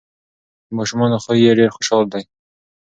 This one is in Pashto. د ماشومانو خوی یې ډیر خوشحال دی.